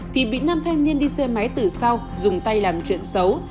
thì bị năm thanh niên đi xe máy tử sau dùng tay làm chuyện xấu